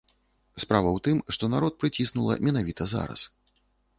Справа ў тым, што народ прыціснула менавіта зараз.